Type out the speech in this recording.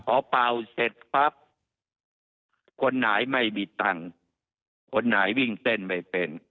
พอเป่าเสร็จปั๊บคนไหนไม่มีตังค์คนไหนวิ่งเต้นไม่เป็น